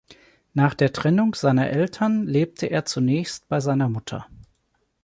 Nach der Trennung seiner Eltern lebte er zunächst bei seiner Mutter.